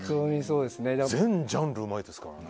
全ジャンルうまいですからね。